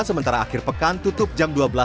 sementara akhir pekan tutup jam dua belas